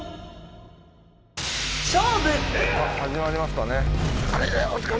始まりましたね。